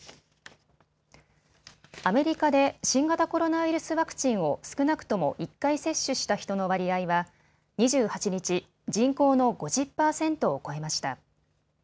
アメリカで新型コロナウイルスワクチンを少なくとも１回接種した人の割合は２８日、人口の５０％を超えました。